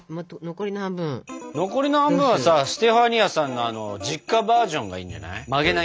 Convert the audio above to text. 残りの半分はステファニアさんのあの実家バージョンがいいんじゃない？